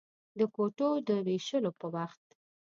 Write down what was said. د کوټو د وېشلو په وخت.